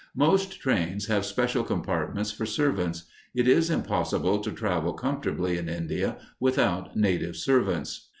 Most trains have special compartments for servants. It is impossible to travel comfortably in India without native servants.